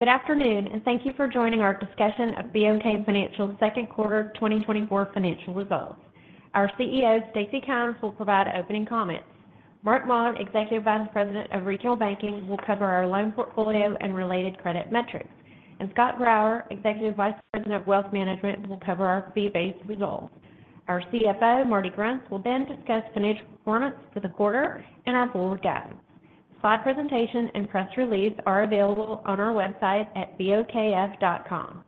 Good afternoon, and thank you for joining our discussion of BOK Financial's second quarter 2024 financial results. Our CEO, Stacy Kymes, will provide opening comments. Mark Wade, Executive Vice President of Retail Banking, will cover our loan portfolio and related credit metrics. Scott Grauer, Executive Vice President of Wealth Management, will cover our fee-based results. Our CFO, Marty Grunst, will then discuss financial performance for the quarter and our forward guidance. Slide presentation and press release are available on our website at bokf.com.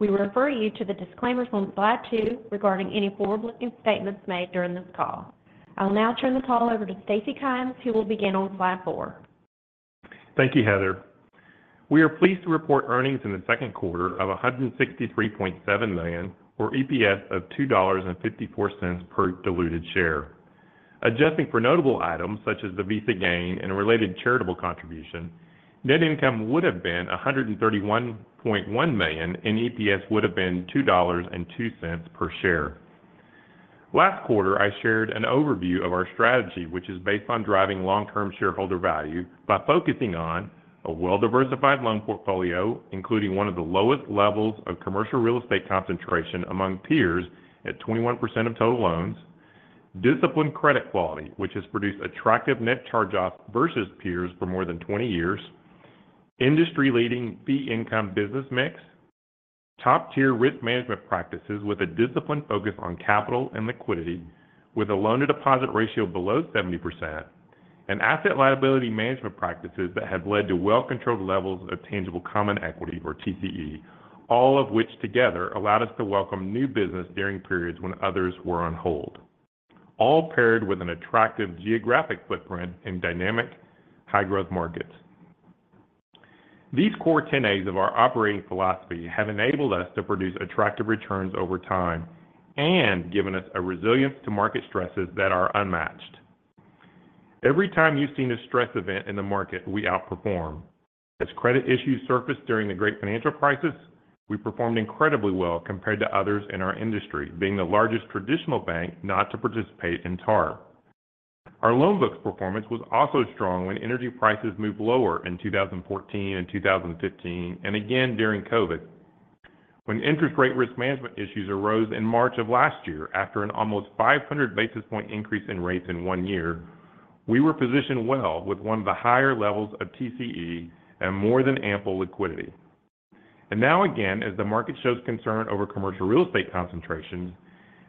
We refer you to the disclaimers on slide 2 regarding any forward-looking statements made during this call. I'll now turn the call over to Stacy Kymes, who will begin on slide 4. Thank you, Heather. We are pleased to report earnings in the second quarter of $163.7 million, or EPS of $2.54 per diluted share. Adjusting for notable items such as the Visa gain and a related charitable contribution, net income would have been $131.1 million, and EPS would have been $2.02 per share. Last quarter, I shared an overview of our strategy, which is based on driving long-term shareholder value by focusing on a well-diversified loan portfolio, including one of the lowest levels of commercial real estate concentration among peers at 21% of total loans. Disciplined credit quality, which has produced attractive net charge-off versus peers for more than 20 years. Industry-leading fee income business mix, top-tier risk management practices with a disciplined focus on capital and liquidity, with a loan-to-deposit ratio below 70%. And asset liability management practices that have led to well-controlled levels of tangible common equity, or TCE, all of which together allowed us to welcome new business during periods when others were on hold, all paired with an attractive geographic footprint in dynamic, high-growth markets. These core tenets of our operating philosophy have enabled us to produce attractive returns over time and given us a resilience to market stresses that are unmatched. Every time you've seen a stress event in the market, we outperform. As credit issues surfaced during the great financial crisis, we performed incredibly well compared to others in our industry, being the largest traditional bank not to participate in TARP. Our loan books performance was also strong when energy prices moved lower in 2014 and 2015, and again during COVID. When interest rate risk management issues arose in March of last year, after an almost 500 basis point increase in rates in one year, we were positioned well with one of the higher levels of TCE and more than ample liquidity. Now again, as the market shows concern over commercial real estate concentrations,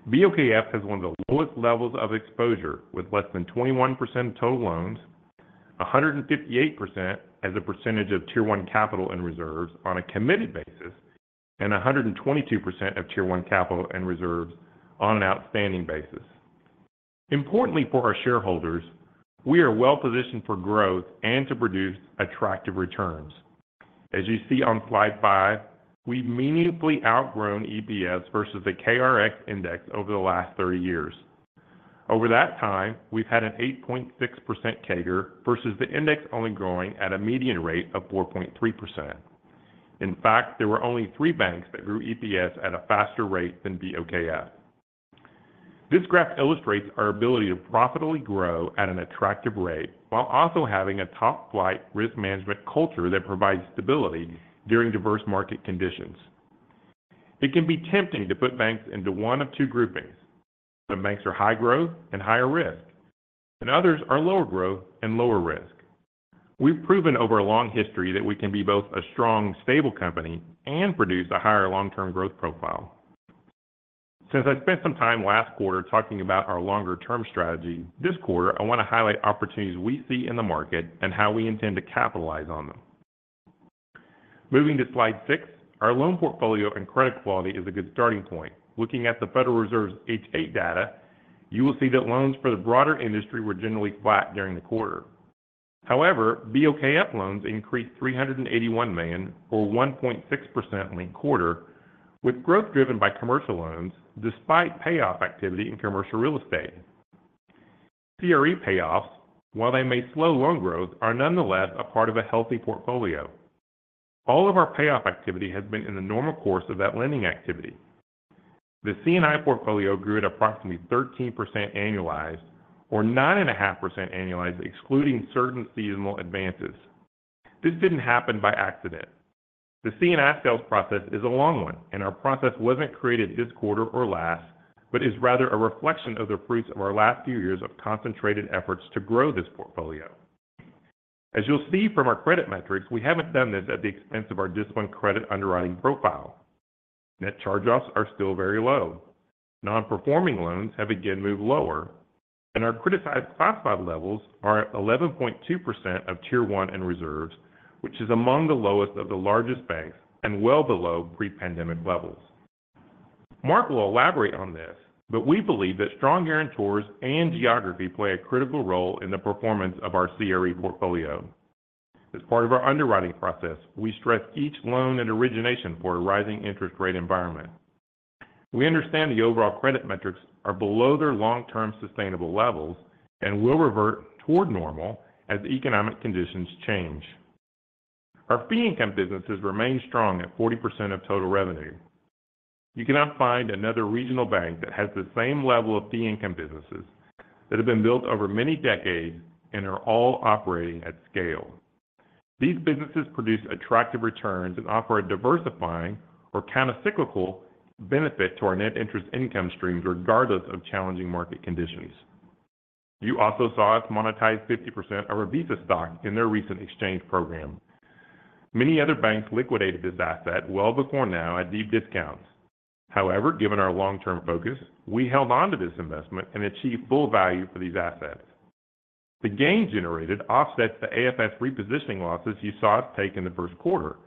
BOKF has one of the lowest levels of exposure, with less than 21% of total loans, 158% as a percentage of Tier 1 capital and reserves on a committed basis, and 122% of Tier 1 capital and reserves on an outstanding basis. Importantly for our shareholders, we are well positioned for growth and to produce attractive returns. As you see on slide 5, we've meaningfully outgrown EPS versus the KBW Index over the last 30 years. Over that time, we've had an 8.6% CAGR versus the index only growing at a median rate of 4.3%. In fact, there were only three banks that grew EPS at a faster rate than BOKF. This graph illustrates our ability to profitably grow at an attractive rate while also having a top-flight risk management culture that provides stability during diverse market conditions. It can be tempting to put banks into one of two groupings. The banks are high growth and higher risk, and others are lower growth and lower risk. We've proven over a long history that we can be both a strong, stable company and produce a higher long-term growth profile. Since I spent some time last quarter talking about our longer-term strategy, this quarter, I want to highlight opportunities we see in the market and how we intend to capitalize on them. Moving to slide 6, our loan portfolio and credit quality is a good starting point. Looking at the Federal Reserve's H.8 data, you will see that loans for the broader industry were generally flat during the quarter. However, BOKF loans increased $381 million, or 1.6% linked quarter, with growth driven by commercial loans despite payoff activity in commercial real estate. CRE payoffs, while they may slow loan growth, are nonetheless a part of a healthy portfolio. All of our payoff activity has been in the normal course of that lending activity. The C&I portfolio grew at approximately 13% annualized, or 9.5% annualized, excluding certain seasonal advances. This didn't happen by accident. The C&I sales process is a long one, and our process wasn't created this quarter or last, but is rather a reflection of the fruits of our last few years of concentrated efforts to grow this portfolio. As you'll see from our credit metrics, we haven't done this at the expense of our disciplined credit underwriting profile. Net charge-offs are still very low. Non-performing loans have again moved lower, and our criticized classified levels are at 11.2% of Tier 1 and reserves, which is among the lowest of the largest banks and well below pre-pandemic levels. Mark will elaborate on this, but we believe that strong guarantors and geography play a critical role in the performance of our CRE portfolio. As part of our underwriting process, we stress each loan and origination for a rising interest rate environment. We understand the overall credit metrics are below their long-term sustainable levels and will revert toward normal as economic conditions change. Our fee income businesses remain strong at 40% of total revenue. You cannot find another regional bank that has the same level of fee income businesses that have been built over many decades and are all operating at scale. These businesses produce attractive returns and offer a diversifying or countercyclical benefit to our net interest income streams, regardless of challenging market conditions. You also saw us monetize 50% of our Visa stock in their recent exchange program. Many other banks liquidated this asset well before now at deep discounts. However, given our long-term focus, we held on to this investment and achieved full value for these assets. The gain generated offsets the AFS repositioning losses you saw us take in the first quarter,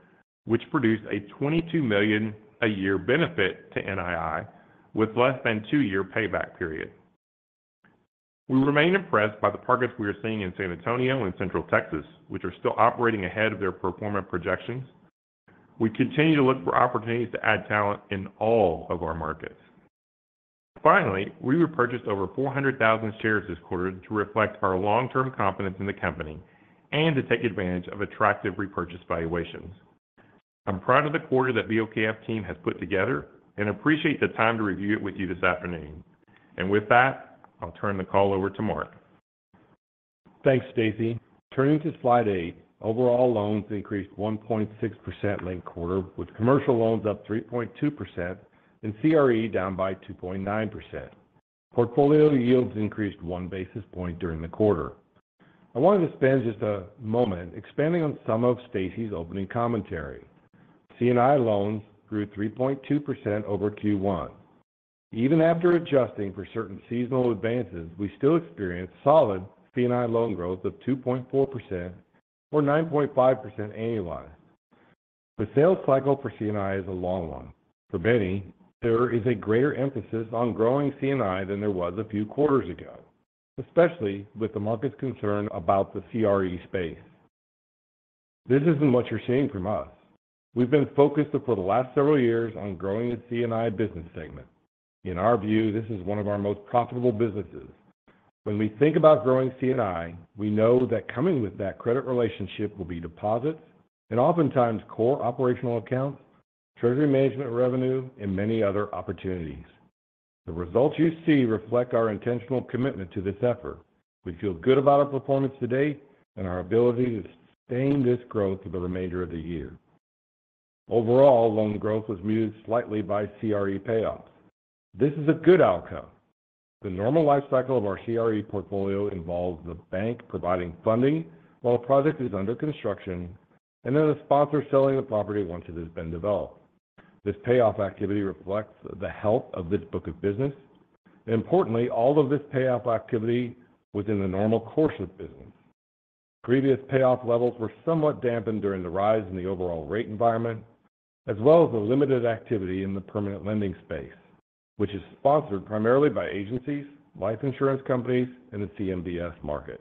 which produced a $22 million a year benefit to NII, with less than 2-year payback period. We remain impressed by the progress we are seeing in San Antonio and Central Texas, which are still operating ahead of their pro forma projections. We continue to look for opportunities to add talent in all of our markets. Finally, we repurchased over 400,000 shares this quarter to reflect our long-term confidence in the company and to take advantage of attractive repurchase valuations. I'm proud of the quarter that BOKF team has put together and appreciate the time to review it with you this afternoon. With that, I'll turn the call over to Mark. Thanks, Stacy. Turning to slide 8. Overall, loans increased 1.6% linked quarter, with commercial loans up 3.2% and CRE down by 2.9%. Portfolio yields increased 1 basis point during the quarter. I wanted to spend just a moment expanding on some of Stacy's opening commentary. C&I loans grew 3.2% over Q1. Even after adjusting for certain seasonal advances, we still experienced solid C&I loan growth of 2.4% or 9.5% annually. The sales cycle for C&I is a long one. For many, there is a greater emphasis on growing C&I than there was a few quarters ago, especially with the market's concern about the CRE space. This isn't what you're seeing from us. We've been focused for the last several years on growing the C&I business segment. In our view, this is one of our most profitable businesses. When we think about growing C&I, we know that coming with that credit relationship will be deposits and oftentimes core operational accounts, treasury management revenue, and many other opportunities. The results you see reflect our intentional commitment to this effort. We feel good about our performance to date and our ability to sustain this growth for the remainder of the year. Overall, loan growth was muted slightly by CRE payoffs. This is a good outcome. The normal life cycle of our CRE portfolio involves the bank providing funding while a project is under construction, and then the sponsor selling the property once it has been developed. This payoff activity reflects the health of this book of business, and importantly, all of this payoff activity was in the normal course of business. Previous payoff levels were somewhat dampened during the rise in the overall rate environment, as well as the limited activity in the permanent lending space, which is sponsored primarily by agencies, life insurance companies, and the CMBS market.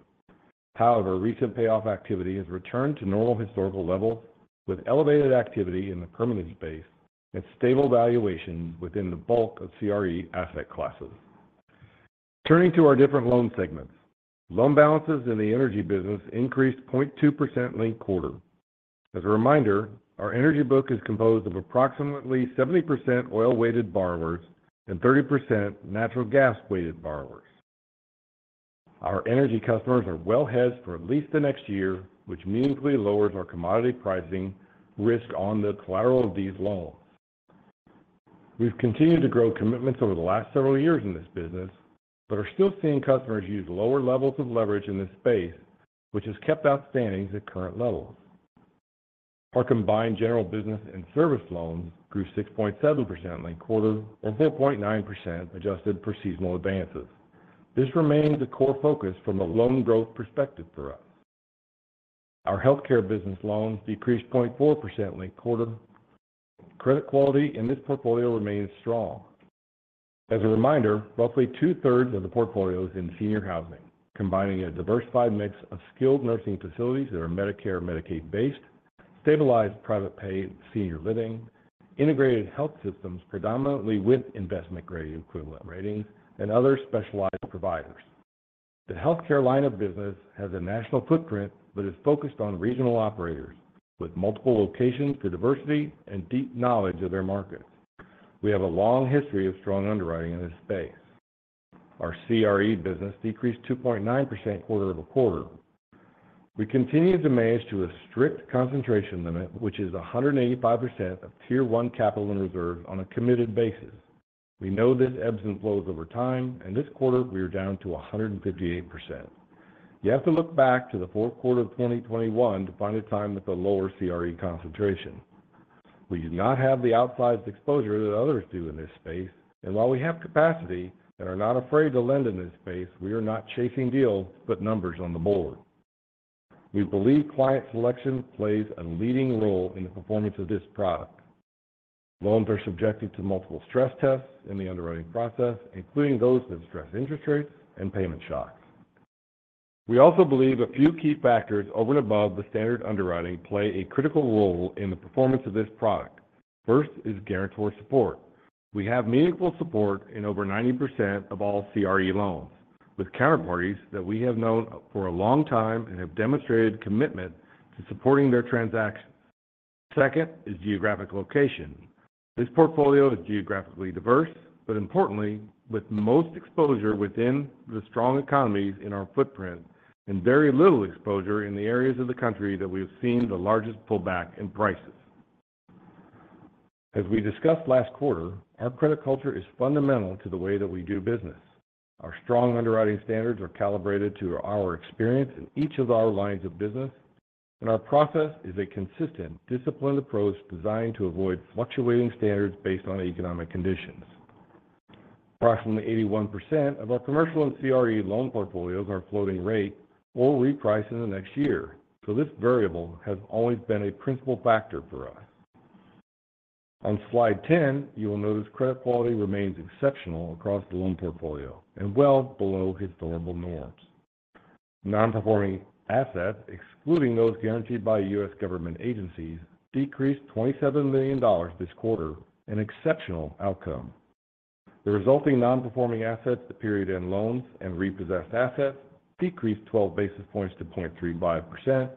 However, recent payoff activity has returned to normal historical levels, with elevated activity in the permanent space and stable valuations within the bulk of CRE asset classes. Turning to our different loan segments. Loan balances in the energy business increased 0.2% linked quarter. As a reminder, our energy book is composed of approximately 70% oil-weighted borrowers and 30% natural gas-weighted borrowers. Our energy customers are well hedged for at least the next year, which meaningfully lowers our commodity pricing risk on the collateral of these loans. We've continued to grow commitments over the last several years in this business, but are still seeing customers use lower levels of leverage in this space, which has kept outstandings at current levels. Our combined general business and service loans grew 6.7% linked quarter and 4.9% adjusted for seasonal advances. This remains a core focus from a loan growth perspective for us. Our healthcare business loans decreased 0.4% linked quarter. Credit quality in this portfolio remains strong. As a reminder, roughly two-thirds of the portfolio is in senior housing, combining a diversified mix of skilled nursing facilities that are Medicare/Medicaid-based, stabilized private pay senior living, integrated health systems, predominantly with investment-grade equivalent ratings, and other specialized providers. The healthcare line of business has a national footprint, but is focused on regional operators with multiple locations for diversity and deep knowledge of their markets. We have a long history of strong underwriting in this space. Our CRE business decreased 2.9% quarter-over-quarter. We continue to manage to a strict concentration limit, which is 185% of Tier 1 capital and reserves on a committed basis. We know this ebbs and flows over time, and this quarter we are down to 158%. You have to look back to the fourth quarter of 2021 to find a time with a lower CRE concentration. We do not have the outsized exposure that others do in this space, and while we have capacity and are not afraid to lend in this space, we are not chasing deals, to put numbers on the board. We believe client selection plays a leading role in the performance of this product. Loans are subjected to multiple stress tests in the underwriting process, including those that stress interest rates and payment shocks. We also believe a few key factors over and above the standard underwriting play a critical role in the performance of this product. First is guarantor support. We have meaningful support in over 90% of all CRE loans with counterparties that we have known for a long time and have demonstrated commitment to supporting their transactions. Second is geographic location. This portfolio is geographically diverse, but importantly, with most exposure within the strong economies in our footprint, and very little exposure in the areas of the country that we have seen the largest pullback in prices. As we discussed last quarter, our credit culture is fundamental to the way that we do business. Our strong underwriting standards are calibrated to our experience in each of our lines of business, and our process is a consistent, disciplined approach designed to avoid fluctuating standards based on economic conditions. Approximately 81% of our commercial and CRE loan portfolios are floating rate or reprice in the next year, so this variable has always been a principal factor for us. On slide 10, you will notice credit quality remains exceptional across the loan portfolio and well below historical norms. Nonperforming assets, excluding those guaranteed by U.S. government agencies, decreased $27 million this quarter, an exceptional outcome. The resulting nonperforming assets, the period-end loans and repossessed assets, decreased 12 basis points to 0.35%,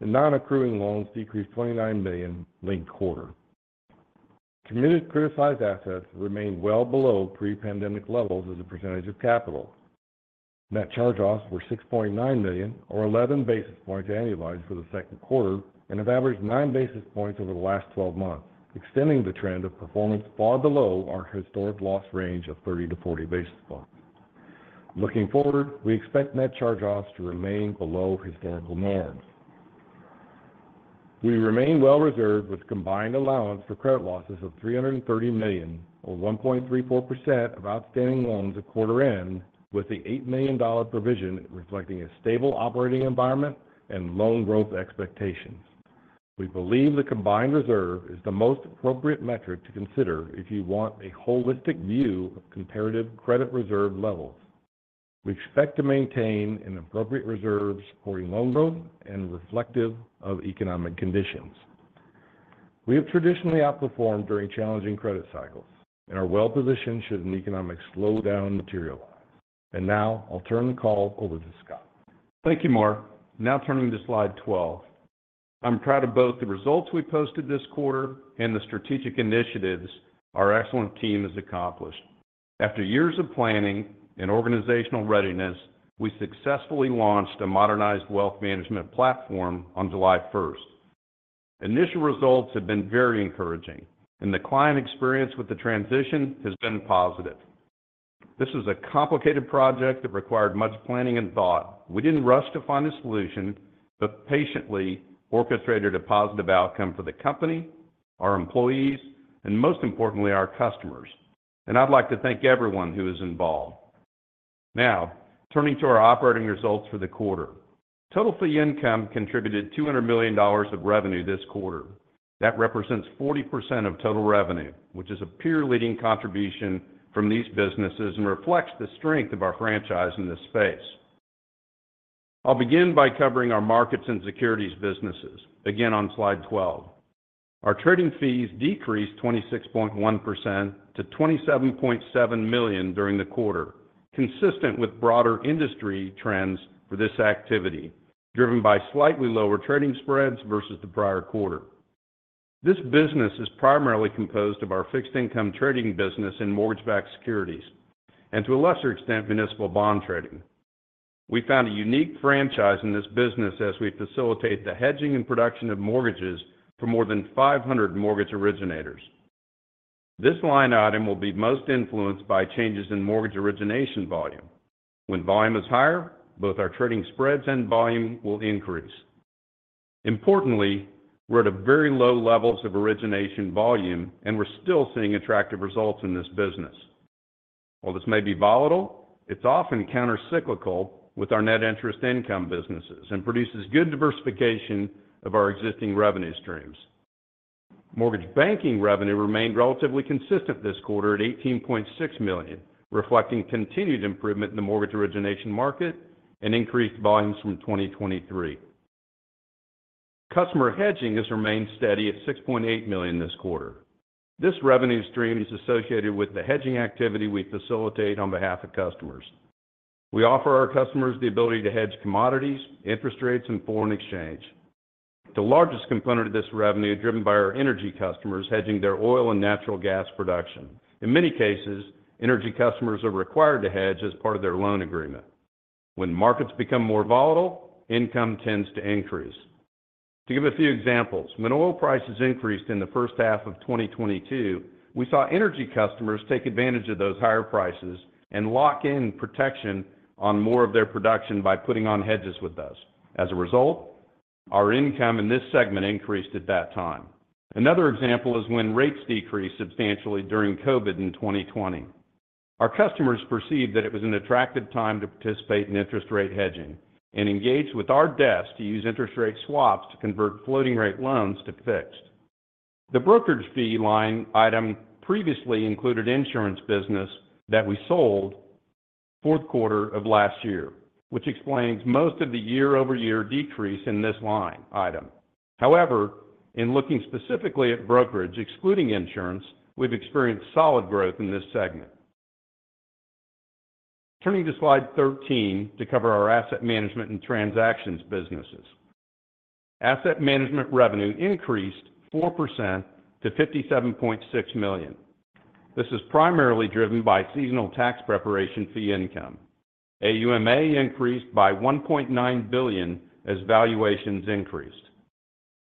and nonaccruing loans decreased $29 million linked-quarter. Committed criticized assets remain well below pre-pandemic levels as a percentage of capital. Net charge-offs were $6.9 million, or 11 basis points annualized for the second quarter, and have averaged 9 basis points over the last twelve months, extending the trend of performance far below our historic loss range of 30-40 basis points. Looking forward, we expect net charge-offs to remain below historical norms. We remain well reserved with combined allowance for credit losses of $330 million, or 1.34% of outstanding loans at quarter end, with the $8 million provision reflecting a stable operating environment and loan growth expectations. We believe the combined reserve is the most appropriate metric to consider if you want a holistic view of comparative credit reserve levels. We expect to maintain an appropriate reserve supporting loan growth and reflective of economic conditions. We have traditionally outperformed during challenging credit cycles and are well positioned should an economic slowdown materialize. Now I'll turn the call over to Scott. Thank you, Mark. Now turning to slide 12. I'm proud of both the results we posted this quarter and the strategic initiatives our excellent team has accomplished. After years of planning and organizational readiness, we successfully launched a modernized wealth management platform on July first. Initial results have been very encouraging, and the client experience with the transition has been positive. This was a complicated project that required much planning and thought. We didn't rush to find a solution, but patiently orchestrated a positive outcome for the company, our employees, and most importantly, our customers. I'd like to thank everyone who is involved. Now, turning to our operating results for the quarter. Total fee income contributed $200 million of revenue this quarter. That represents 40% of total revenue, which is a peer leading contribution from these businesses and reflects the strength of our franchise in this space. I'll begin by covering our markets and securities businesses, again, on slide 12. Our trading fees decreased 26.1% to $27.7 million during the quarter, consistent with broader industry trends for this activity, driven by slightly lower trading spreads versus the prior quarter. This business is primarily composed of our fixed income trading business in mortgage-backed securities and to a lesser extent, municipal bond trading. We found a unique franchise in this business as we facilitate the hedging and production of mortgages for more than 500 mortgage originators. This line item will be most influenced by changes in mortgage origination volume. When volume is higher, both our trading spreads and volume will increase. Importantly, we're at a very low levels of origination volume, and we're still seeing attractive results in this business. While this may be volatile, it's often countercyclical with our net interest income businesses and produces good diversification of our existing revenue streams. Mortgage banking revenue remained relatively consistent this quarter at $18.6 million, reflecting continued improvement in the mortgage origination market and increased volumes from 2023. Customer hedging has remained steady at $6.8 million this quarter. This revenue stream is associated with the hedging activity we facilitate on behalf of customers. We offer our customers the ability to hedge commodities, interest rates, and foreign exchange. The largest component of this revenue is driven by our energy customers hedging their oil and natural gas production. In many cases, energy customers are required to hedge as part of their loan agreement. When markets become more volatile, income tends to increase. To give a few examples, when oil prices increased in the first half of 2022, we saw energy customers take advantage of those higher prices and lock in protection on more of their production by putting on hedges with us. As a result, our income in this segment increased at that time. Another example is when rates decreased substantially during COVID in 2020. Our customers perceived that it was an attractive time to participate in interest rate hedging and engaged with our desk to use interest rate swaps to convert floating rate loans to fixed. The brokerage fee line item previously included insurance business that we sold fourth quarter of last year, which explains most of the year-over-year decrease in this line item. However, in looking specifically at brokerage, excluding insurance, we've experienced solid growth in this segment. Turning to slide 13 to cover our asset management and transactions businesses. Asset management revenue increased 4% to $57.6 million. This is primarily driven by seasonal tax preparation fee income. AUMA increased by $1.9 billion as valuations increased.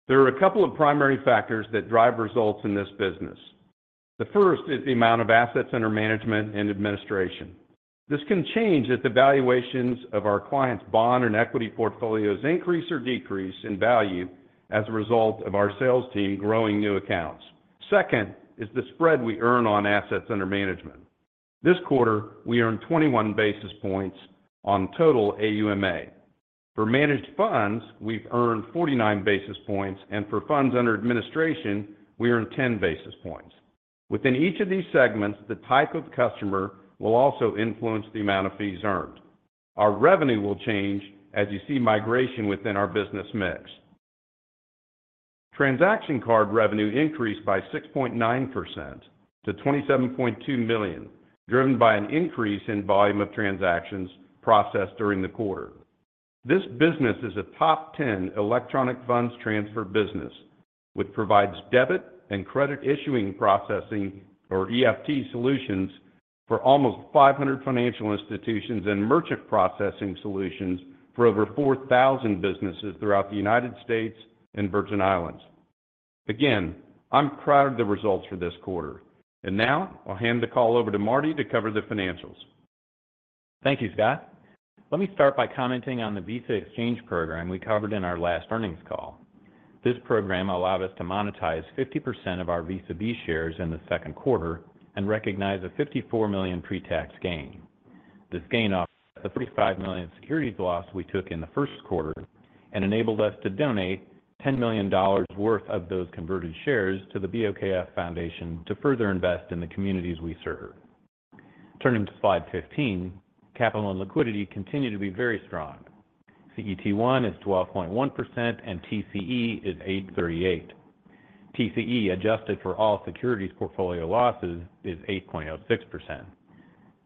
There are a couple of primary factors that drive results in this business. The first is the amount of assets under management and administration. This can change as the valuations of our clients' bond and equity portfolios increase or decrease in value as a result of our sales team growing new accounts. Second, is the spread we earn on assets under management. This quarter, we earned 21 basis points on total AUMA. For managed funds, we've earned 49 basis points, and for funds under administration, we earned 10 basis points. Within each of these segments, the type of customer will also influence the amount of fees earned. Our revenue will change as you see migration within our business mix. Transaction card revenue increased by 6.9% to $27.2 million, driven by an increase in volume of transactions processed during the quarter. This business is a top 10 electronic funds transfer business, which provides debit and credit issuing, processing, or EFT solutions for almost 500 financial institutions and merchant processing solutions for over 4,000 businesses throughout the United States and Virgin Islands. Again, I'm proud of the results for this quarter. Now I'll hand the call over to Marty to cover the financials. Thank you, Scott. Let me start by commenting on the Visa exchange program we covered in our last earnings call. This program allowed us to monetize 50% of our Visa B shares in the second quarter and recognize a $54 million pre-tax gain. This gain offset the $35 million securities loss we took in the first quarter and enabled us to donate $10 million worth of those converted shares to the BOKF Foundation to further invest in the communities we serve. Turning to slide 15, capital and liquidity continue to be very strong. CET1 is 12.1% and TCE is 8.38%. TCE, adjusted for all securities portfolio losses, is 8.06%.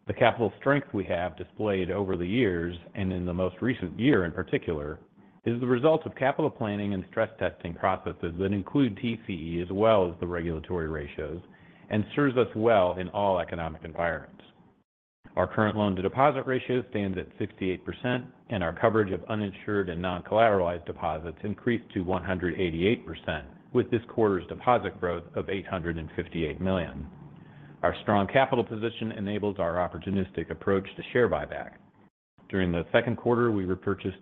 The capital strength we have displayed over the years, and in the most recent year in particular, is the result of capital planning and stress testing processes that include TCE as well as the regulatory ratios, and serves us well in all economic environments. Our current loan-to-deposit ratio stands at 68%, and our coverage of uninsured and non-collateralized deposits increased to 188%, with this quarter's deposit growth of $858 million. Our strong capital position enables our opportunistic approach to share buyback. During the second quarter, we repurchased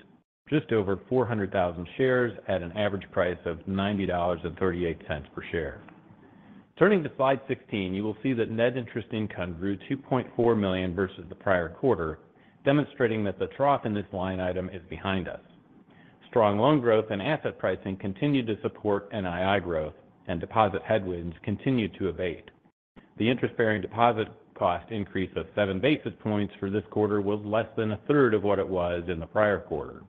just over 400,000 shares at an average price of $90.38 per share. Turning to slide 16, you will see that net interest income grew $2.4 million versus the prior quarter, demonstrating that the trough in this line item is behind us. Strong loan growth and asset pricing continued to support NII growth, and deposit headwinds continued to abate. The interest-bearing deposit cost increase of 7 basis points for this quarter was less than a third of what it was in the prior quarter.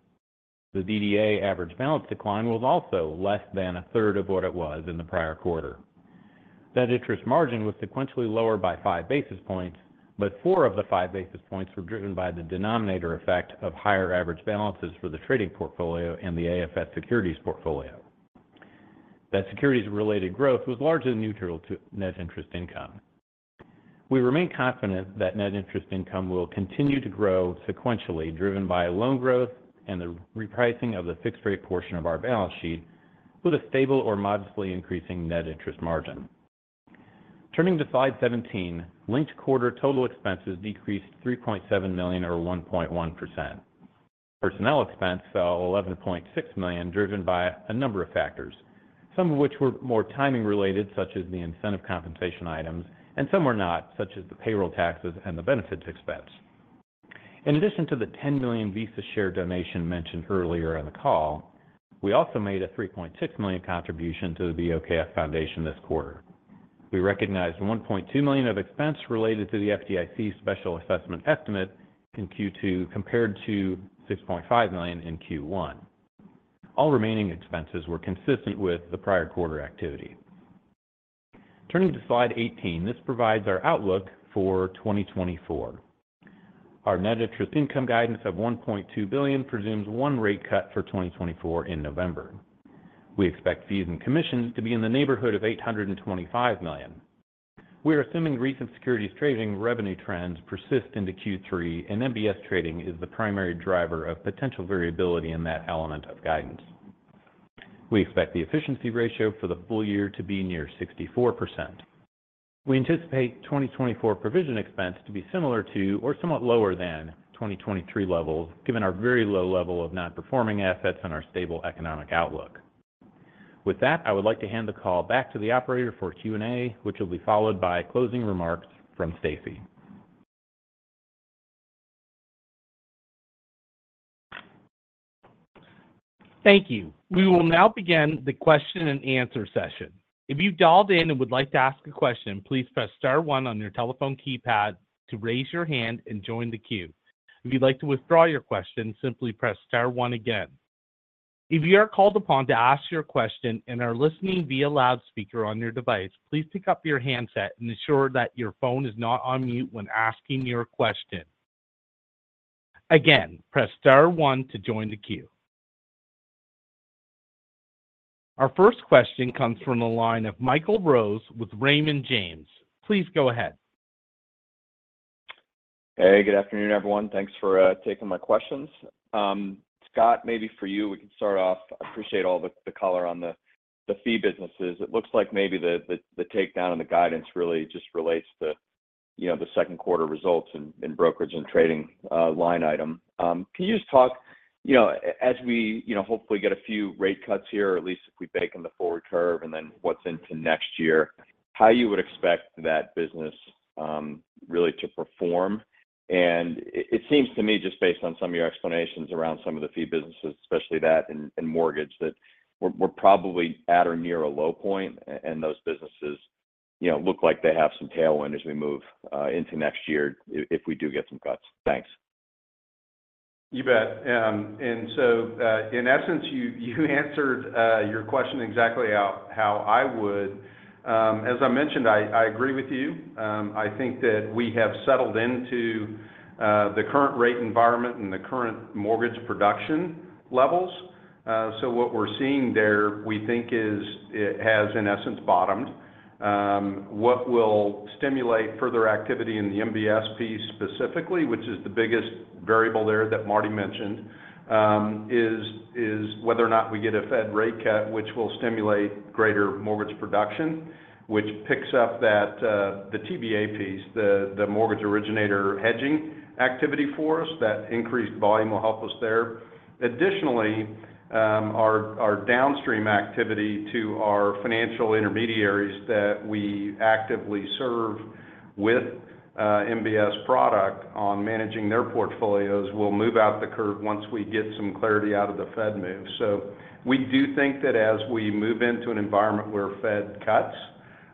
The DDA average balance decline was also less than a third of what it was in the prior quarter. Net interest margin was sequentially lower by 5 basis points, but 4 of the 5 basis points were driven by the denominator effect of higher average balances for the trading portfolio and the AFS securities portfolio. That securities-related growth was largely neutral to net interest income. We remain confident that net interest income will continue to grow sequentially, driven by loan growth and the repricing of the fixed-rate portion of our balance sheet, with a stable or modestly increasing net interest margin. Turning to slide 17, linked quarter total expenses decreased $3.7 million, or 1.1%. Personnel expense fell $11.6 million, driven by a number of factors, some of which were more timing related, such as the incentive compensation items, and some were not, such as the payroll taxes and the benefits expense. In addition to the $10 million Visa share donation mentioned earlier in the call, we also made a $3.6 million contribution to the BOKF Foundation this quarter. We recognized $1.2 million of expense related to the FDIC special assessment estimate in Q2, compared to $6.5 million in Q1. All remaining expenses were consistent with the prior quarter activity. Turning to slide 18, this provides our outlook for 2024. Our net interest income guidance of $1.2 billion presumes 1 rate cut for 2024 in November. We expect fees and commissions to be in the neighborhood of $825 million. We are assuming recent securities trading revenue trends persist into Q3, and MBS trading is the primary driver of potential variability in that element of guidance. We expect the efficiency ratio for the full year to be near 64%. We anticipate 2024 provision expense to be similar to or somewhat lower than 2023 levels, given our very low level of non-performing assets and our stable economic outlook. With that, I would like to hand the call back to the operator for Q&A, which will be followed by closing remarks from Stacy. Thank you. We will now begin the question-and-answer session. If you've dialed in and would like to ask a question, please press star one on your telephone keypad to raise your hand and join the queue. If you'd like to withdraw your question, simply press star one again. If you are called upon to ask your question and are listening via loudspeaker on your device, please pick up your handset and ensure that your phone is not on mute when asking your question. Again, press star one to join the queue. Our first question comes from the line of Michael Rose with Raymond James. Please go ahead. Hey, good afternoon, everyone. Thanks for taking my questions. Scott, maybe for you, we can start off. I appreciate all the color on the fee businesses. It looks like maybe the takedown and the guidance really just relates to, you know, the second quarter results in brokerage and trading line item. Can you just talk, you know, as we, you know, hopefully get a few rate cuts here, or at least if we bake in the forward curve and then what's into next year, how you would expect that business really to perform? It seems to me, just based on some of your explanations around some of the fee businesses, especially that in mortgage, that we're probably at or near a low point, and those businesses, you know, look like they have some tailwind as we move into next year if we do get some cuts. Thanks. You bet. And so, in essence, you answered your question exactly how I would. As I mentioned, I agree with you. I think that we have settled into the current rate environment and the current mortgage production levels. So what we're seeing there, we think is, it has, in essence, bottomed. What will stimulate further activity in the MBS piece specifically, which is the biggest variable there that Marty mentioned, is whether or not we get a Fed rate cut, which will stimulate greater mortgage production, which picks up that the TBA piece, the mortgage originator hedging activity for us, that increased volume will help us there. Additionally, our downstream activity to our financial intermediaries that we actively serve with MBS product on managing their portfolios will move out the curve once we get some clarity out of the Fed move. So we do think that as we move into an environment where Fed cuts,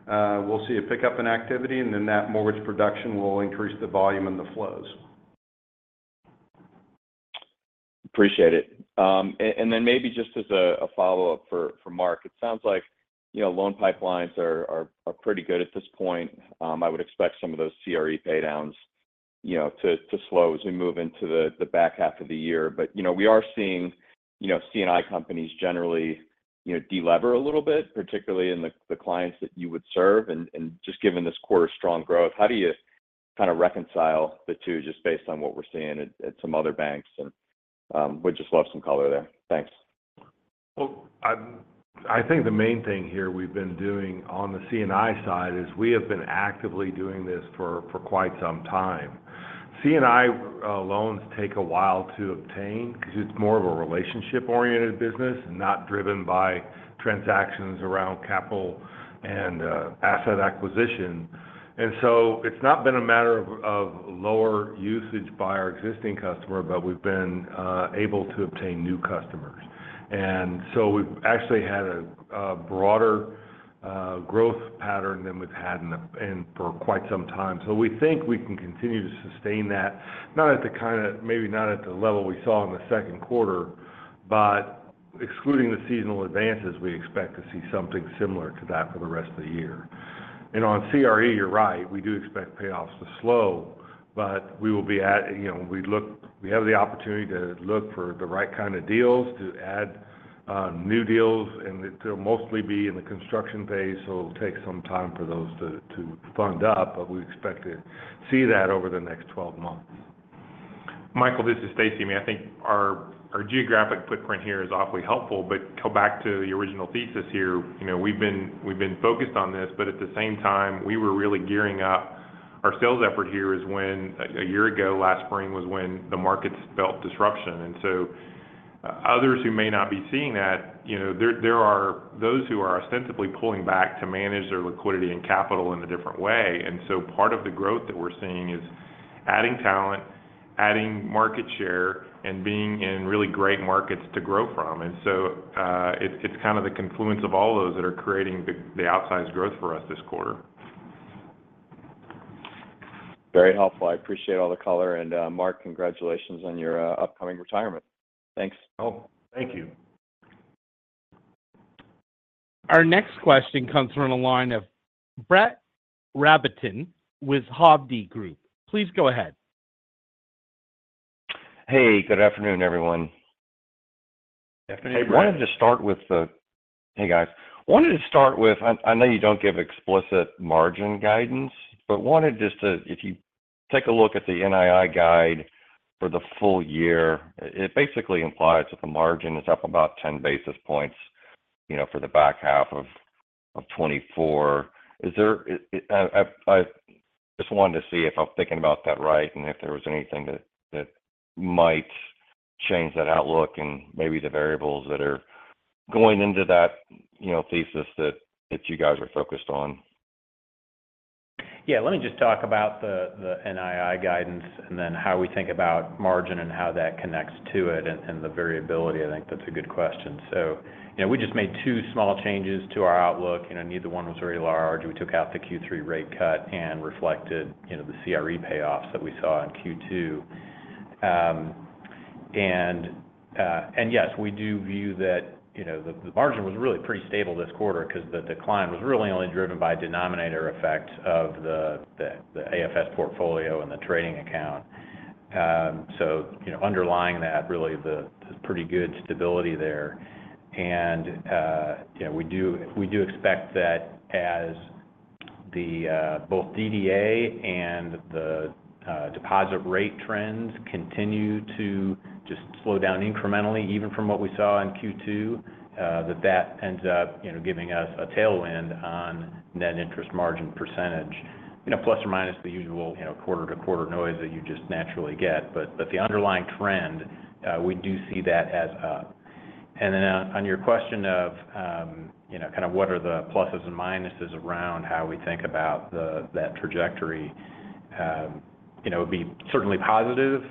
we'll see a pickup in activity, and then that mortgage production will increase the volume and the flows. Appreciate it. And then maybe just as a follow-up for Mark, it sounds like, you know, loan pipelines are pretty good at this point. I would expect some of those CRE paydowns, you know, to slow as we move into the back half of the year. But, you know, we are seeing, you know, C&I companies generally, you know, delever a little bit, particularly in the clients that you would serve. And just given this quarter's strong growth, how do you kind of reconcile the two, just based on what we're seeing at some other banks? Would just love some color there. Thanks. Well, I think the main thing here we've been doing on the C&I side is we have been actively doing this for quite some time. C&I loans take a while to obtain because it's more of a relationship-oriented business and not driven by transactions around capital and asset acquisition. And so it's not been a matter of lower usage by our existing customer, but we've been able to obtain new customers. And so we've actually had a broader growth pattern than we've had in a for quite some time. So we think we can continue to sustain that, not at the kind of, maybe not at the level we saw in the second quarter, but excluding the seasonal advances, we expect to see something similar to that for the rest of the year. On CRE, you're right, we do expect payoffs to slow, but we will be at, you know, we have the opportunity to look for the right kind of deals to add new deals, and they'll mostly be in the construction phase, so it'll take some time for those to fund up, but we expect to see that over the next 12 months. Michael, this is Stacy. I mean, I think our geographic footprint here is awfully helpful, but go back to the original thesis here. You know, we've been focused on this, but at the same time, we were really gearing up our sales effort here is when, a year ago, last spring, was when the markets felt disruption. And so, others who may not be seeing that, you know, there are those who are ostensibly pulling back to manage their liquidity and capital in a different way. And so part of the growth that we're seeing is adding talent, adding market share, and being in really great markets to grow from. And so, it's kind of the confluence of all those that are creating the outsized growth for us this quarter. Very helpful. I appreciate all the color. And, Mark, congratulations on your, upcoming retirement. Thanks. Oh, thank you. Our next question comes from the line of Brett Rabatin with Hovde Group. Please go ahead. Hey, good afternoon, everyone. Good afternoon. Hey, Brett. Hey, guys. I wanted to start with, I know you don't give explicit margin guidance, but wanted just to... if you take a look at the NII guide for the full year, it basically implies that the margin is up about 10 basis points, you know, for the back half of 2024. Is there? I just wanted to see if I'm thinking about that right, and if there was anything that might change that outlook and maybe the variables that are going into that, you know, thesis that you guys are focused on. Yeah, let me just talk about the, the NII guidance, and then how we think about margin and how that connects to it and, and the variability. I think that's a good question. So, you know, we just made two small changes to our outlook, and neither one was very large. We took out the Q3 rate cut and reflected, you know, the CRE payoffs that we saw in Q2. And yes, we do view that, you know, the margin was really pretty stable this quarter, because the decline was really only driven by denominator effect of the AFS portfolio and the trading account. So, you know, underlying that, really, there's pretty good stability there. And, you know, we do expect that as both DDA and the deposit rate trends continue to just slow down incrementally, even from what we saw in Q2, that ends up, you know, giving us a tailwind on net interest margin percentage. You know, plus or minus the usual, you know, quarter-to-quarter noise that you just naturally get. But the underlying trend, we do see that as up. And then on your question of, you know, kind of what are the pluses and minuses around how we think about that trajectory. You know, it would be certainly positive,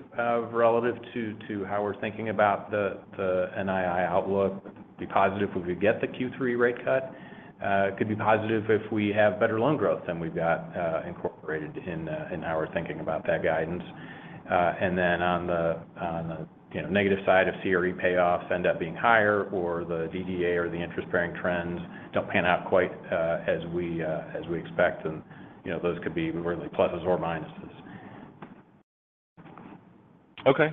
relative to how we're thinking about the NII outlook. It would be positive if we could get the Q3 rate cut. It could be positive if we have better loan growth than we've got incorporated in our thinking about that guidance. And then on the, you know, negative side, if CRE payoffs end up being higher or the DDA or the interest-bearing trends don't pan out quite as we expect, and, you know, those could be really pluses or minuses. Okay.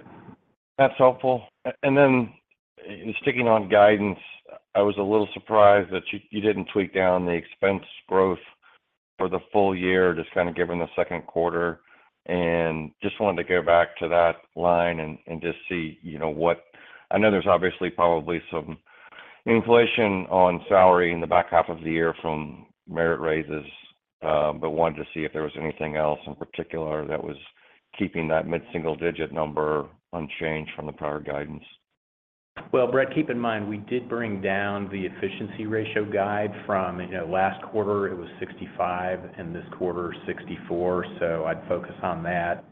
That's helpful. And then sticking on guidance, I was a little surprised that you didn't tweak down the expense growth for the full year, just kind of given the second quarter. And just wanted to go back to that line and just see, you know, what—I know there's obviously probably some inflation on salary in the back half of the year from merit raises, but wanted to see if there was anything else in particular that was keeping that mid-single-digit number unchanged from the prior guidance. Well, Brett, keep in mind, we did bring down the efficiency ratio guide from, you know, last quarter, it was 65, and this quarter, 64. So I'd focus on that,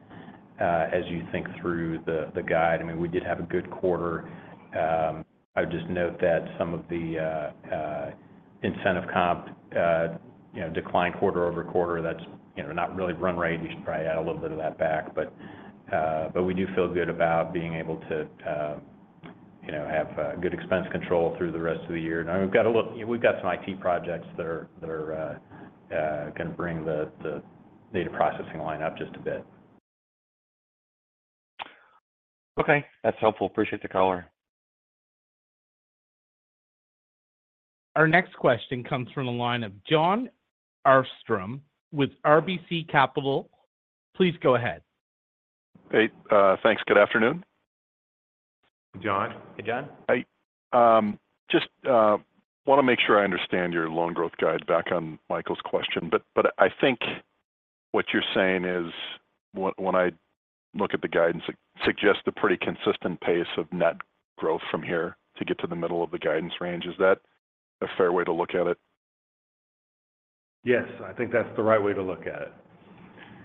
as you think through the guide. I mean, we did have a good quarter. I would just note that some of the incentive comp, you know, declined quarter-over-quarter, that's, you know, not really run rate. You should probably add a little bit of that back. But, but we do feel good about being able to, you know, have good expense control through the rest of the year. Now, we've got some IT projects that are gonna bring the data processing line up just a bit. Okay, that's helpful. Appreciate the call. Our next question comes from the line of Jon Arfstrom with RBC Capital. Please go ahead. Hey, thanks. Good afternoon. John. Hey, John. I just want to make sure I understand your loan growth guide back on Michael's question. But I think what you're saying is, when I look at the guidance, it suggests a pretty consistent pace of net growth from here to get to the middle of the guidance range. Is that a fair way to look at it? Yes, I think that's the right way to look at it.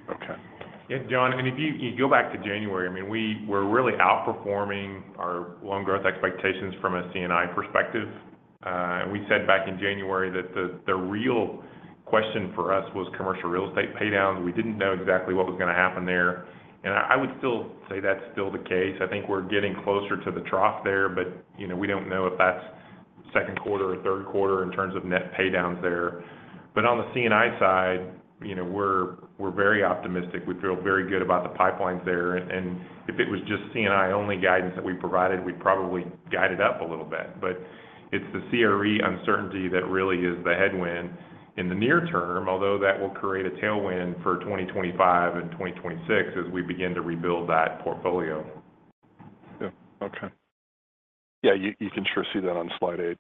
Okay. Yeah, John, I mean, if you, you go back to January, I mean, we were really outperforming our loan growth expectations from a C&I perspective. And we said back in January that the, the real question for us was commercial real estate paydowns. We didn't know exactly what was going to happen there, and I, I would still say that's still the case. I think we're getting closer to the trough there, but, you know, we don't know if that's second quarter or third quarter in terms of net paydowns there. But on the C&I side, you know, we're, we're very optimistic. We feel very good about the pipelines there, and, and if it was just C&I only guidance that we provided, we'd probably guide it up a little bit. But it's the CRE uncertainty that really is the headwind in the near term, although that will create a tailwind for 2025 and 2026 as we begin to rebuild that portfolio. Yeah. Okay. Yeah, you can sure see that on slide eight.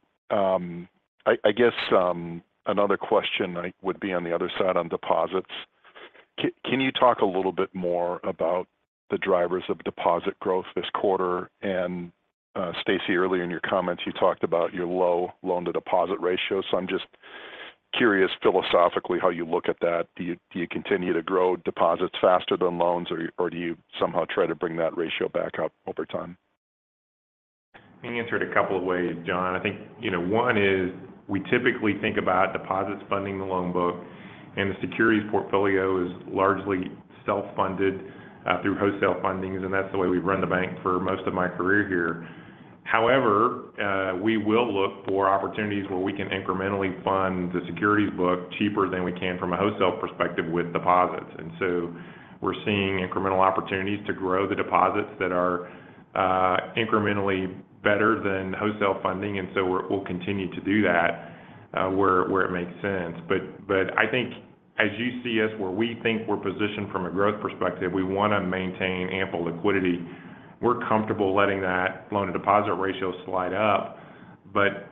I guess another question would be on the other side on deposits. Can you talk a little bit more about the drivers of deposit growth this quarter? And, Stacy, earlier in your comments, you talked about your low loan-to-deposit ratio, so I'm just curious philosophically how you look at that. Do you continue to grow deposits faster than loans, or do you somehow try to bring that ratio back up over time? Let me answer it a couple of ways, John. I think, you know, one is, we typically think about deposits funding the loan book, and the securities portfolio is largely self-funded through wholesale fundings, and that's the way we've run the bank for most of my career here. However, we will look for opportunities where we can incrementally fund the securities book cheaper than we can from a wholesale perspective with deposits. And so we're seeing incremental opportunities to grow the deposits that are incrementally better than wholesale funding, and so we'll, we'll continue to do that where, where it makes sense. But, but I think as you see us, where we think we're positioned from a growth perspective, we want to maintain ample liquidity. We're comfortable letting that loan-to-deposit ratio slide up, but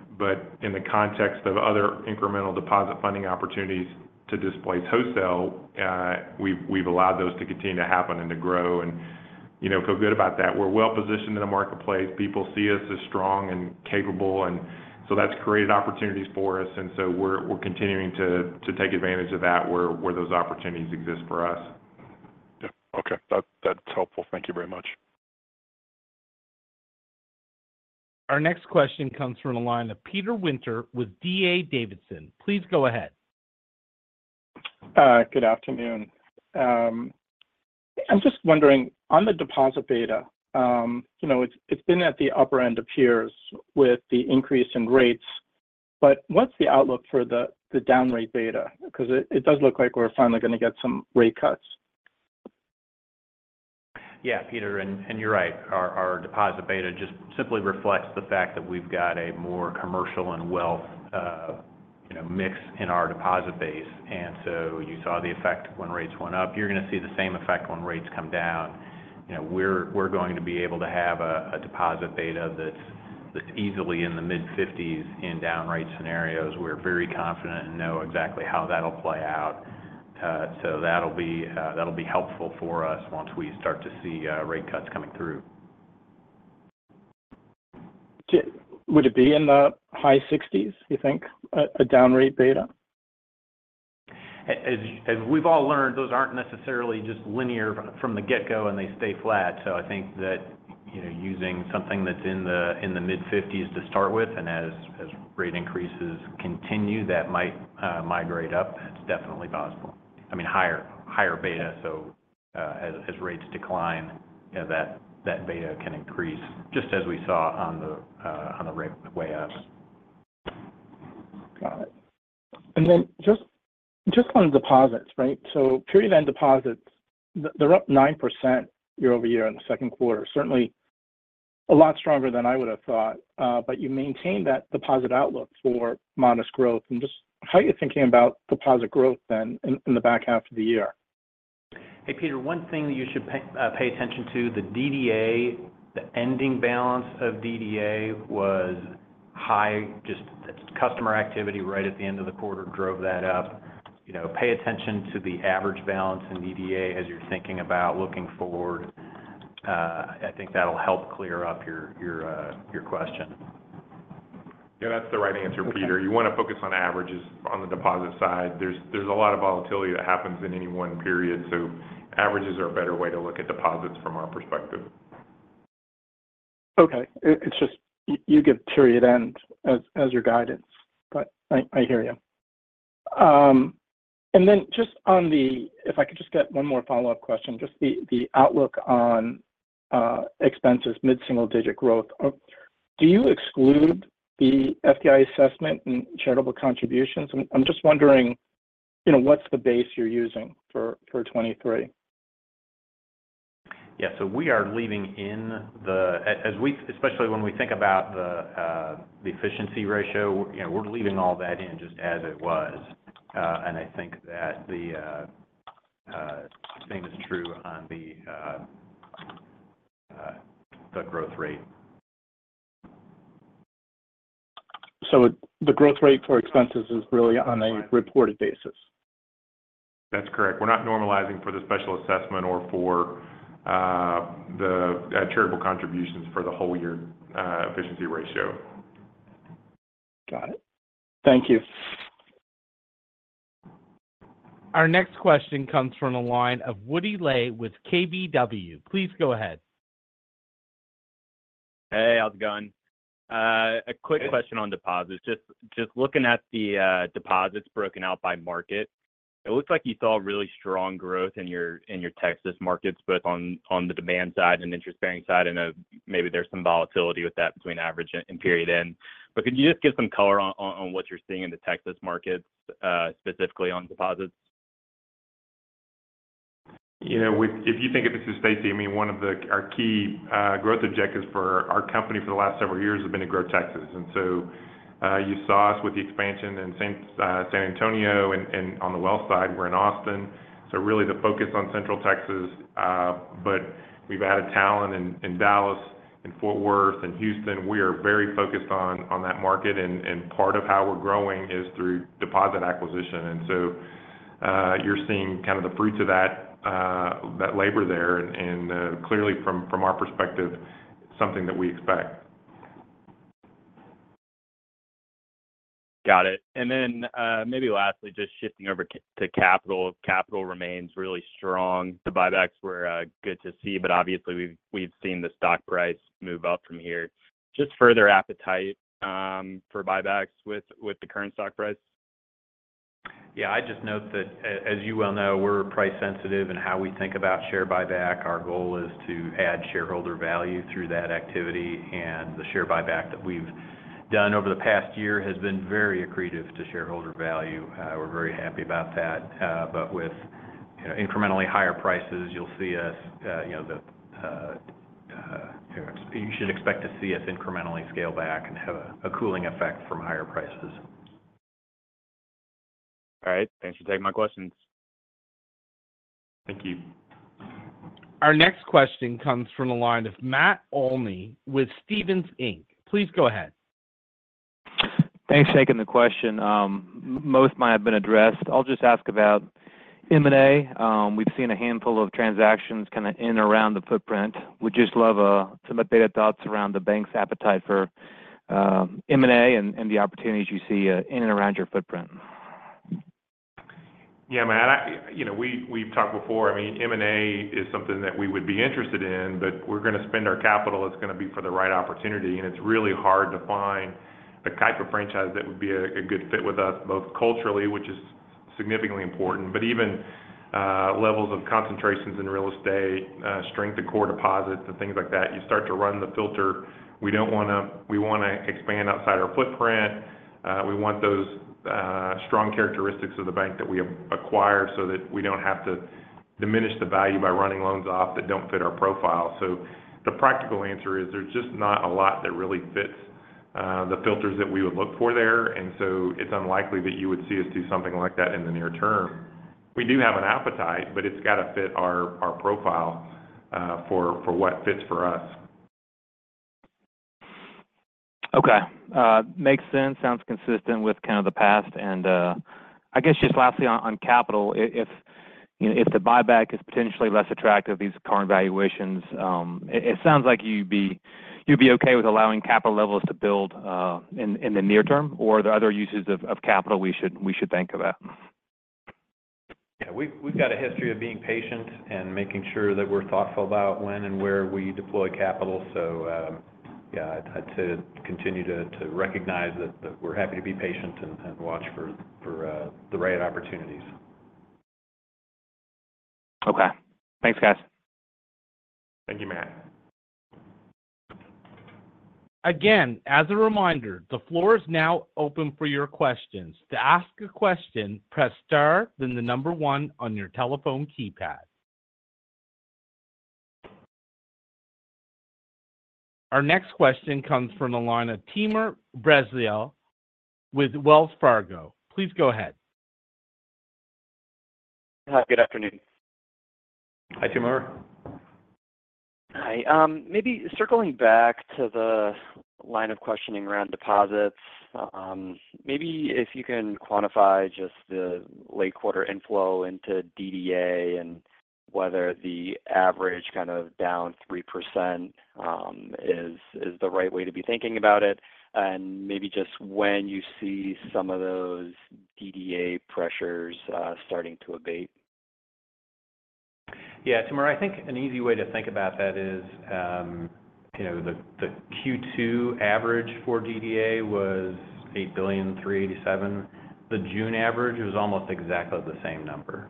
in the context of other incremental deposit funding opportunities to displace wholesale, we've allowed those to continue to happen and to grow and, you know, feel good about that. We're well positioned in the marketplace. People see us as strong and capable, and so that's created opportunities for us, and so we're continuing to take advantage of that, where those opportunities exist for us. Yeah. Okay. That, that's helpful. Thank you very much. Our next question comes from the line of Peter Winter with D.A. Davidson. Please go ahead. Good afternoon. I'm just wondering, on the deposit beta, you know, it's been at the upper end of peers with the increase in rates, but what's the outlook for the down rate beta? 'Cause it does look like we're finally going to get some rate cuts. Yeah, Peter, and you're right. Our deposit beta just simply reflects the fact that we've got a more commercial and wealth, you know, mix in our deposit base. And so you saw the effect when rates went up. You're going to see the same effect when rates come down. You know, we're going to be able to have a deposit beta that's easily in the mid-fifties in down rate scenarios. We're very confident and know exactly how that'll play out. So that'll be helpful for us once we start to see rate cuts coming through. Would it be in the high sixties, you think, down rate beta? As we've all learned, those aren't necessarily just linear from the get-go, and they stay flat. So I think that, you know, using something that's in the mid-fifties to start with, and as rate increases continue, that might migrate up. It's definitely possible. I mean, higher beta. So, as rates decline, that beta can increase just as we saw on the rate way up. Got it. And then just, just on deposits, right? So period end deposits, they're up 9% year-over-year in the second quarter. Certainly a lot stronger than I would have thought, but you maintained that deposit outlook for modest growth. And just how are you thinking about deposit growth then in, in the back half of the year? Hey, Peter, one thing that you should pay attention to, the DDA, the ending balance of DDA was high. Just customer activity right at the end of the quarter drove that up. You know, pay attention to the average balance in DDA as you're thinking about looking forward. I think that'll help clear up your question. Yeah, that's the right answer, Peter. Okay. You want to focus on averages on the deposit side. There's a lot of volatility that happens in any one period, so averages are a better way to look at deposits from our perspective. Okay. It's just you give period end as your guidance, but I hear you. And then just on the, if I could just get one more follow-up question, just the outlook on expenses, mid-single-digit growth. Do you exclude the FDIC assessment and charitable contributions? I'm just wondering, you know, what's the base you're using for 2023? Yeah. So we are leaving in as we especially when we think about the efficiency ratio, you know, we're leaving all that in just as it was. And I think that the growth rate. The growth rate for expenses is really on a reported basis? That's correct. We're not normalizing for the special assessment or for the charitable contributions for the whole year, efficiency ratio. Got it. Thank you. Our next question comes from the line of Woody Lay with KBW. Please go ahead. Hey, how's it going? A quick question- Hey. On deposits. Just, just looking at the, deposits broken out by market, it looks like you saw really strong growth in your, in your Texas markets, both on, on the demand side and interest-bearing side, and, maybe there's some volatility with that between average and period end. But could you just give some color on, on, on what you're seeing in the Texas markets, specifically on deposits? You know, we if you think of it strategically, I mean, one of the, our key, growth objectives for our company for the last several years has been to grow Texas. And so, you saw us with the expansion in San Antonio, and, and on the wealth side, we're in Austin. So really the focus on Central Texas, but we've added talent in, in Dallas, in Fort Worth, in Houston. We are very focused on, on that market, and, and part of how we're growing is through deposit acquisition. And so, you're seeing kind of the fruits of that, that labor there, and, clearly from, from our perspective, something that we expect. Got it. Then, maybe lastly, just shifting over to capital. Capital remains really strong. The buybacks were good to see, but obviously, we've seen the stock price move up from here. Just further appetite for buybacks with the current stock price? Yeah. I just note that as you well know, we're price sensitive in how we think about share buyback. Our goal is to add shareholder value through that activity, and the share buyback that we've done over the past year has been very accretive to shareholder value. We're very happy about that. But with, you know, incrementally higher prices, you'll see us, you know, you should expect to see us incrementally scale back and have a cooling effect from higher prices. All right. Thanks for taking my questions. Thank you. Our next question comes from the line of Matt Olney with Stephens Inc. Please go ahead. Thanks for taking the question. Most of mine have been addressed. I'll just ask about M&A. We've seen a handful of transactions kind of in and around the footprint. Would just love some updated thoughts around the bank's appetite for M&A and the opportunities you see in and around your footprint. Yeah, Matt, you know, we've talked before. I mean, M&A is something that we would be interested in, but we're going to spend our capital, it's going to be for the right opportunity, and it's really hard to find the type of franchise that would be a good fit with us, both culturally, which is significantly important, but even levels of concentrations in real estate, strength to core deposits and things like that. You start to run the filter. We don't wanna. We wanna expand outside our footprint. We want those strong characteristics of the bank that we acquire so that we don't have to diminish the value by running loans off that don't fit our profile. So the practical answer is, there's just not a lot that really fits the filters that we would look for there, and so it's unlikely that you would see us do something like that in the near term. We do have an appetite, but it's got to fit our profile for what fits for us. Okay. Makes sense. Sounds consistent with kind of the past. And, I guess just lastly on capital, if you know, if the buyback is potentially less attractive at these current valuations, it sounds like you'd be okay with allowing capital levels to build in the near term, or are there other uses of capital we should think about? Yeah, we've got a history of being patient and making sure that we're thoughtful about when and where we deploy capital. So, yeah, I'd like to continue to recognize that we're happy to be patient and watch for the right opportunities. Okay. Thanks, guys. Thank you, Matt. Again, as a reminder, the floor is now open for your questions. To ask a question, press Star, then the number one on your telephone keypad. Our next question comes from the line of Timur Braziler with Wells Fargo. Please go ahead. Hi, good afternoon. Hi, Timur. Hi. Maybe circling back to the line of questioning around deposits, maybe if you can quantify just the late quarter inflow into DDA and whether the average kind of down 3%, is the right way to be thinking about it, and maybe just when you see some of those DDA pressures starting to abate. Yeah, Timur, I think an easy way to think about that is, you know, the Q2 average for DDA was $8.387 billion. The June average was almost exactly the same number.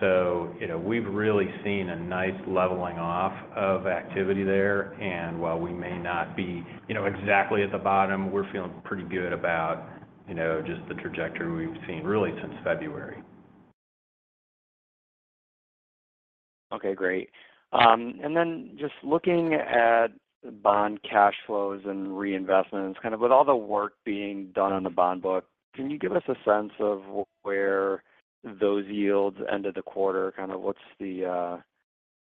So, you know, we've really seen a nice leveling off of activity there. And while we may not be, you know, exactly at the bottom, we're feeling pretty good about, you know, just the trajectory we've seen, really, since February. Okay, great. And then just looking at bond cash flows and reinvestments, kind of with all the work being done on the bond book, can you give us a sense of where those yields end of the quarter, kind of what's the,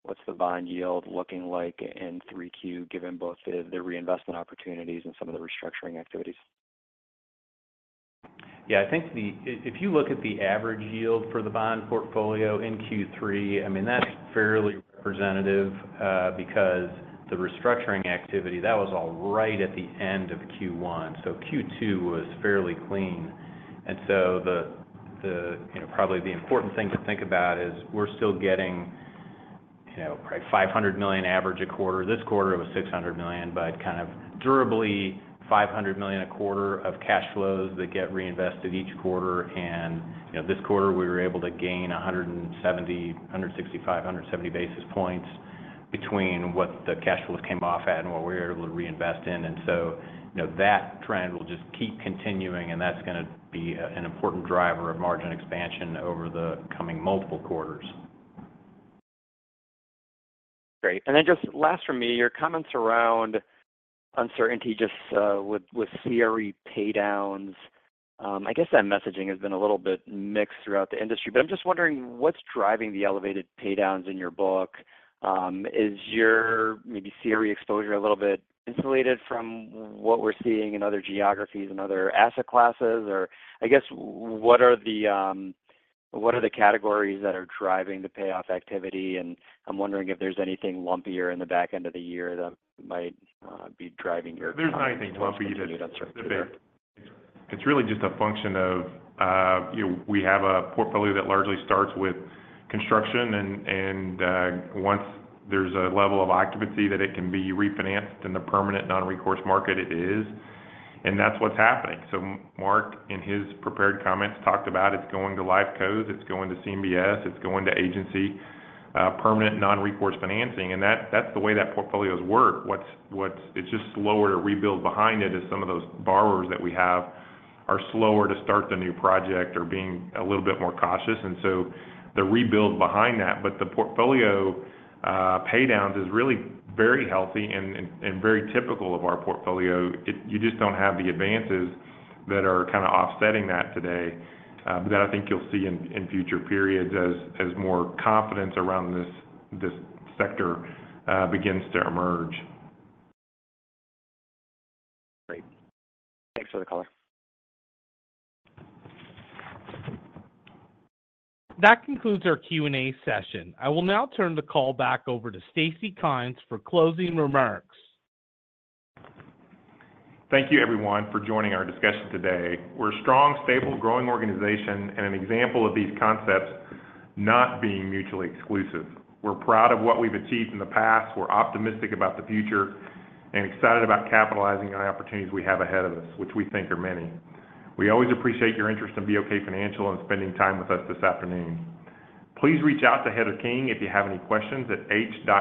what's the bond yield looking like in 3Q, given both the, the reinvestment opportunities and some of the restructuring activities? Yeah, I think if you look at the average yield for the bond portfolio in Q3, I mean, that's fairly representative, because the restructuring activity, that was all right at the end of Q1, so Q2 was fairly clean. And so, you know, probably the important thing to think about is we're still getting, you know, probably $500 million average a quarter. This quarter, it was $600 million, but kind of durably $500 million a quarter of cash flows that get reinvested each quarter. And, you know, this quarter, we were able to gain 170, 165, 170 basis points between what the cash flows came off at and what we were able to reinvest in. And so, you know, that trend will just keep continuing, and that's going to be an important driver of margin expansion over the coming multiple quarters. Great. And then just last for me, your comments around uncertainty, just with CRE paydowns. I guess that messaging has been a little bit mixed throughout the industry, but I'm just wondering what's driving the elevated paydowns in your book? Is your maybe CRE exposure a little bit insulated from what we're seeing in other geographies and other asset classes? Or I guess what are the categories that are driving the payoff activity? And I'm wondering if there's anything lumpier in the back end of the year that might be driving your- There's nothing lumpy about it. It's really just a function of, you know, we have a portfolio that largely starts with construction and, once there's a level of occupancy, that it can be refinanced in the permanent non-recourse market it is, and that's what's happening. So Marc, in his prepared comments, talked about it's going to LifeCo, it's going to CMBS, it's going to Agency permanent non-recourse financing, and that's the way that portfolios work. It's just slower to rebuild behind it as some of those borrowers that we have are slower to start the new project or being a little bit more cautious, and so the rebuild behind that. But the portfolio paydowns is really very healthy and very typical of our portfolio. You just don't have the advances that are kind of offsetting that today. But that I think you'll see in future periods as more confidence around this sector begins to emerge. Great. Thanks for the call. That concludes our Q&A session. I will now turn the call back over to Stacy Kymes for closing remarks. Thank you, everyone, for joining our discussion today. We're a strong, stable, growing organization and an example of these concepts not being mutually exclusive. We're proud of what we've achieved in the past, we're optimistic about the future, and excited about capitalizing on the opportunities we have ahead of us, which we think are many. We always appreciate your interest in BOK Financial and spending time with us this afternoon. Please reach out to Heather King if you have any questions at hking@-